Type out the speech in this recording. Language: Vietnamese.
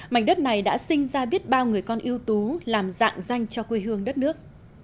mảnh đất này đã sinh ra biết bao người con yêu tú làm dạng danh cho quê hương đất nước